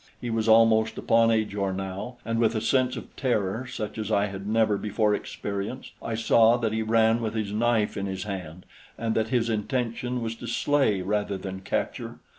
He was almost upon Ajor now, and with a sense of terror such as I had never before experienced, I saw that he ran with his knife in his hand, and that his intention was to slay rather than capture.